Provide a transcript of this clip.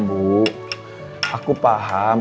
ibu aku paham